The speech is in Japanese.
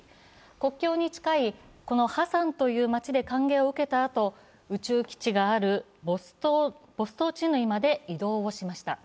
国境に近いこのハサンという街で歓迎を受けたあと、宇宙基地があるボストーチヌイまで移動しました。